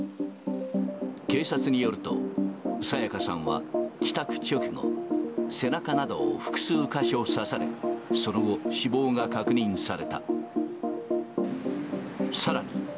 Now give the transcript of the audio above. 警察によると、彩加さんは帰宅直後、背中などを複数箇所刺され、その後、死亡が確認された。